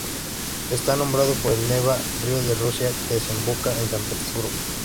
Está nombrado por el Nevá, río de Rusia que desemboca en San Petersburgo.